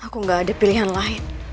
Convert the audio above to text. aku gak ada pilihan lain